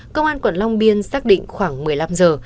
công an quận long biên xác định khoảng một mươi năm giờ